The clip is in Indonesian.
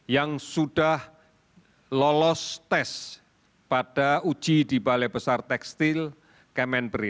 yang sudah lolos tes pada uji di balai besar tekstil kemenbri